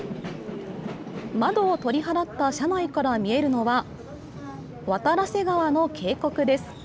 窓を取り払った車内から見えるのは、渡良瀬川の渓谷です。